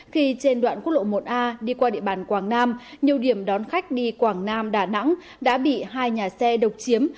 khi trên đoạn quốc lộ một a đi qua địa bàn quảng nam nhiều điểm đón khách đi quảng nam đà nẵng đã bị hai nhà xe độc chiếm